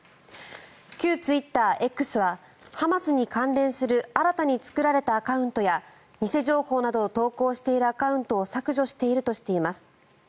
旧ツイッター、Ｘはハマスに関連する新たに作られたアカウントや偽情報などを投稿しているアカウントを削除しているとしています。